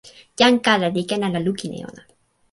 jan kala li ken ala lukin e ona.